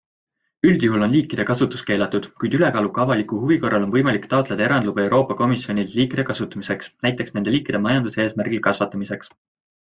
Üldjuhul on liikide kasutus keelatud, kuid ülekaaluka avaliku huvi korral on võimalik taotleda erandluba Euroopa Komisjonilt liikide kasutamiseks, näiteks nende liikide majanduseesmärgil kasvatamiseks.